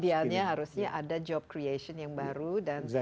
idealnya harusnya ada job creation yang baru dan sebagainya